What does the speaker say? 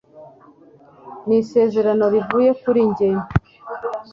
ni isezerano rivuye kuri njye